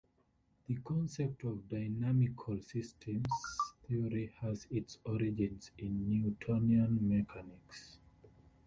The concept of dynamical systems theory has its origins in Newtonian mechanics.